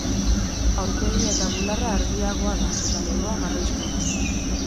Aurpegia eta bularra argiagoa da eta lepoa marroixka da.